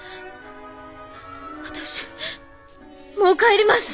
私もう帰ります。